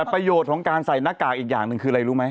ประโยชน์ของการใส่หน้ากากอีกอย่างหนึ่งคืออะไรรู้ไหม